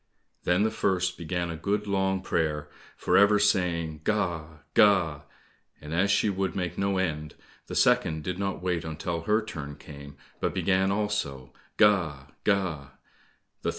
Then the first began a good long prayer, for ever saying, "Ga! Ga!" and as she would make no end, the second did not wait until her turn came, but began also, "Ga! Ga!"